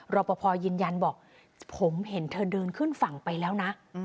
รอปภยืนยันบอกผมเห็นเธอเดินขึ้นฝั่งไปแล้วนะ